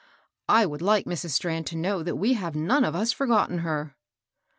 " I would like Mrs. Strand to know that we have none of us forgotten her."